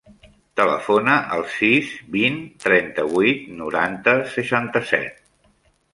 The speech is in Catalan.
Telefona al sis, vint, trenta-vuit, noranta, seixanta-set.